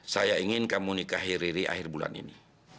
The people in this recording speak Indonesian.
saya ingin kamu nikah hiri hiri akhir bulan ini